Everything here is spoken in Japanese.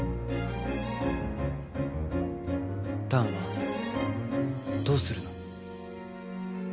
弾はどうするの？